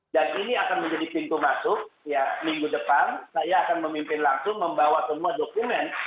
dan ini akan menjadi pintu masuk ya minggu depan saya akan memimpin langsung membawa semua dokumen tiga ratus tujuh puluh lima